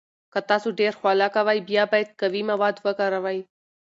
که تاسو ډیر خوله کوئ، بیا باید قوي مواد وکاروئ.